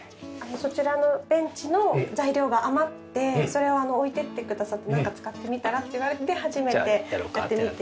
そちらのベンチの材料が余ってそれを置いていってくださって「なんか使ってみたら？」って言われて初めてやってみて。